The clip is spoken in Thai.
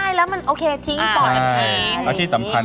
แม่บ้านประจันบัน